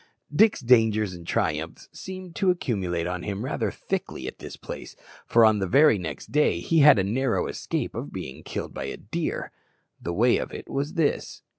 Dick's dangers and triumphs seemed to accumulate on him rather thickly at this place, for on the very next day he had a narrow escape of being killed by a deer. The way of it was this.